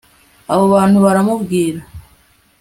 abo bantu baramubwira